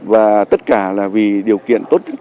và tất cả là vì điều kiện tốt nhất